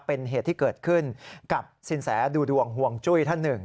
เป็นเหตุที่เกิดขึ้นกับสินแสดูดวงห่วงจุ้ยท่านหนึ่ง